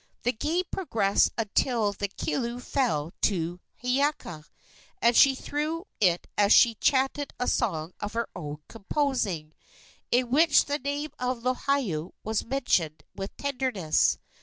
The game progressed until the kilu fell to Hiiaka, and as she threw it she chanted a song of her own composing, in which the name of Lohiau was mentioned with tenderness.